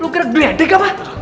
lo kira geli adik apa